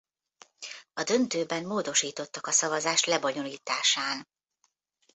A döntőben módosítottak a szavazás lebonyolításán.